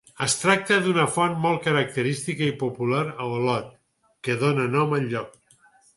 Es tracta d'una font molt característica i popular a Olot, que dóna nom al lloc.